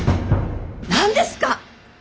何ですか！